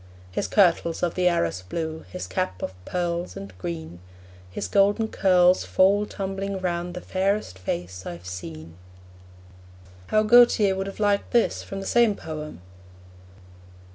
His kirtle's of the Arras blue, His cap of pearls and green; His golden curls fall tumbling round The fairest face I've seen. How Gautier would have liked this from the same poem!